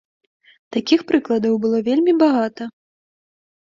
Такіх прыкладаў было вельмі багата.